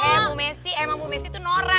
eh bu messi emang bu messi tuh norak